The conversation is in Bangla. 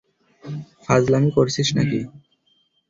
ফাজলামি করছিস নাকি?